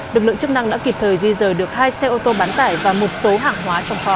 lực lượng chức năng đã kịp thời di rời được hai xe ô tô bán tải và một số hàng hóa trong kho